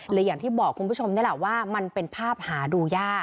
อย่างที่บอกคุณผู้ชมนี่แหละว่ามันเป็นภาพหาดูยาก